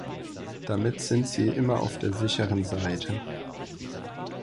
Damit sind Sie immer auf der sicheren Seite.